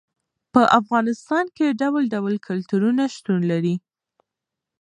په افغانستان کې ډول ډول کلتورونه شتون لري.